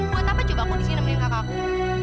buat apa coba aku disini nemenin kakakku